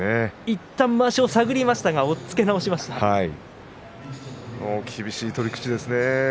いったん、まわしを探りましたが厳しい取り口ですね。